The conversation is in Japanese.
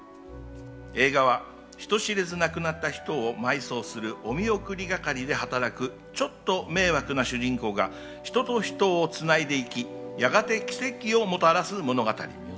映画は、人知れず亡くなった人を埋葬する、おみおくり係で働く、ちょっと迷惑な主人公が人と人をつないでいき、やがて奇跡をもたらす物語。